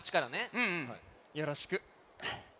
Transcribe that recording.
うんうんよろしく。